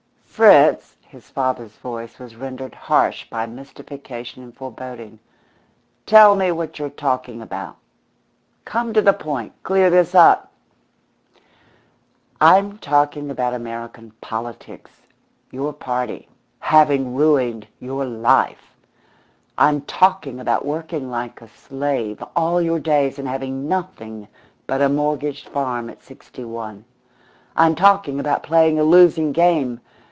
"Fritz," his father's voice was rendered harsh by mystification and foreboding, "tell me what you're talking about. Come to the point. Clear this up." "I'm talking about American politics your party having ruined your life! I'm talking about working like a slave all your days and having nothing but a mortgaged farm at sixty one! I'm talking about playing a losing game!